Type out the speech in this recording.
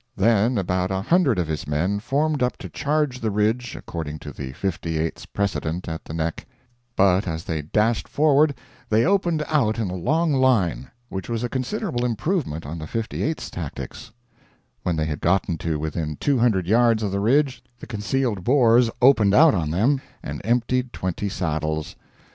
Then about a hundred of his men formed up to charge the ridge according to the 58th's precedent at the Nek; but as they dashed forward they opened out in a long line, which was a considerable improvement on the 58th's tactics; when they had gotten to within 200 yards of the ridge the concealed Boers opened out on them and emptied 20 saddles.